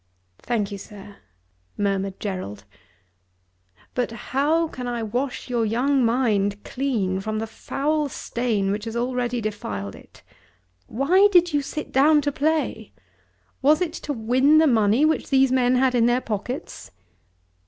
"Thank you, sir," murmured Gerald. "But how can I wash your young mind clean from the foul stain which has already defiled it? Why did you sit down to play? Was it to win the money which these men had in their pockets?"